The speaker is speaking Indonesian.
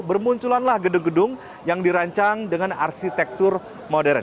bermunculanlah gedung gedung yang dirancang dengan arsitektur modern